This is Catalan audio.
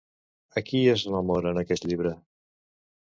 A qui es rememora en aquest llibre?